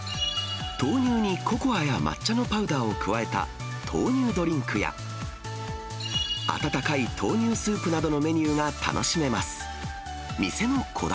豆乳にココアや抹茶のパウダーを加えた豆乳ドリンクや、温かい豆乳スープなどのメニューが楽しめます。